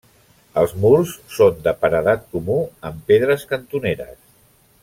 Els murs són de paredat comú amb pedres cantoneres.